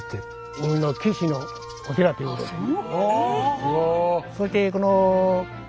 海の岸のお寺ということで。